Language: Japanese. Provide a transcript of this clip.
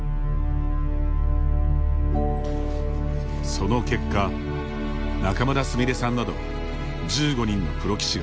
その結果、仲邑菫さんなど１５人のプロ棋士が誕生。